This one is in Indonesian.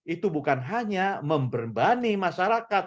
itu bukan hanya memberbani masyarakat